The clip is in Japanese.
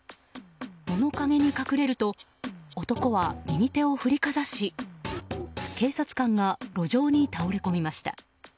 物陰に隠れると男は右手を振りかざし警察官が路上に倒れ込みました。